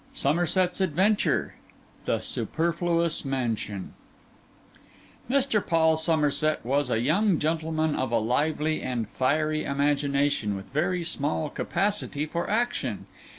SOMERSET'S ADVENTURE THE SUPERFLUOUS MANSION Mr. Paul Somerset was a young gentleman of a lively and fiery imagination, with very small capacity for action.